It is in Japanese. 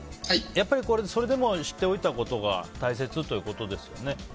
それでも知っておくことが大切ということですよね。